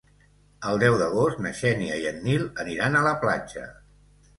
El deu d'agost na Xènia i en Nil aniran a la platja.